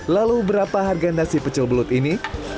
lalu berapa harga nasi pecel belut ini